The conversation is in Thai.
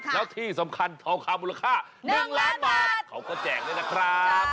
แล้วที่สำคัญทองคำมูลค่า๑ล้านบาทเขาก็แจกด้วยนะครับ